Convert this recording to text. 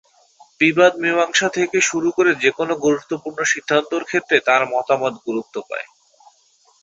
বিবাদ-মীমাংসা থেকে শুরু করে যেকোনো গুরুত্বপূর্ণ সিদ্ধান্তের ক্ষেত্রে তার মতামত গুরুত্ব পায়।